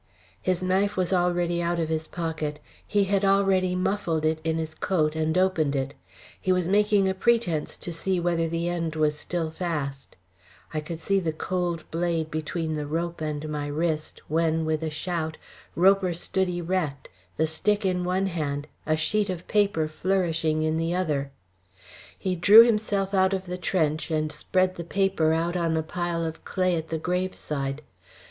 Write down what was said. His knife was already out of his pocket; he had already muffled it in his coat and opened it; he was making a pretence to see whether the end was still fast. I could feel the cold blade between the rope and my wrist, when, with a shout. Roper stood erect, the stick in one hand, a sheet of paper flourishing in the other. He drew himself out of the trench and spread the paper out on a pile of clay at the graveside.